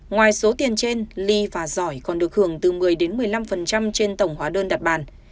ngoài số tiền trên ly và giỏi còn được hưởng từ một mươi một mươi năm trên tổng hóa đơn đặt bàn